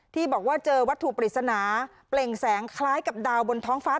ที่บอกว่าเจอวัตถุปริศนาเปล่งแสงคล้ายกับดาวบนท้องฟ้า